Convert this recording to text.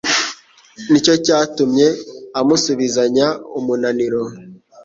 Nicyo cyatumye amusubizanya umunaniro